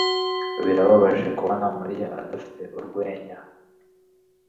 Birababaje kubona Mariya adafite urwenya.